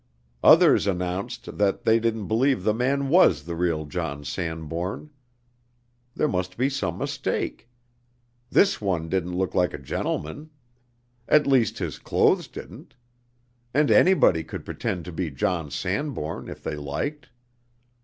Others announced that they didn't believe the man was the real John Sanbourne. There must be some mistake. This one didn't look like a gentleman. At least his clothes didn't. And anybody could pretend to be John Sanbourne if they liked.